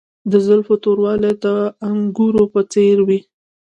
د زلفو توروالی د انګورو په څیر دی.